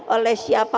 oleh siapa saja